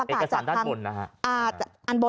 เอกสารด้านบนนะฮะ